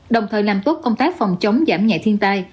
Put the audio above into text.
đồng thời làm tốt công tác phòng chống giảm nhẹ thiên tai